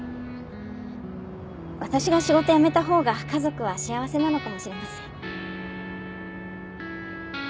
私が仕事辞めた方が家族は幸せなのかもしれません。